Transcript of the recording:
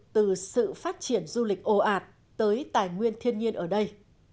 từ sự phát triển du lịch ồ ạt tới tài nguyên thiên nhiên ở đây